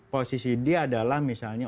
posisi dia adalah misalnya